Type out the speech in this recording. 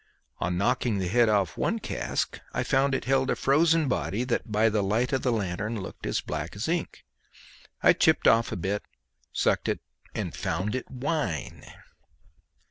On knocking the head off one cask I found it held a frozen body, that by the light of the lanthorn looked as black as ink; I chipped off a bit, sucked it, and found it wine.